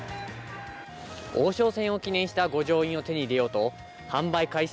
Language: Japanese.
王将戦を記念した御城印を手に入れようと販売開始